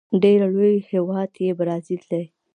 ډیر لوی هیواد یې برازيل دی.